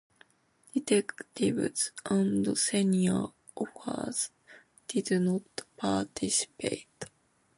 Detectives and senior officers did not participate.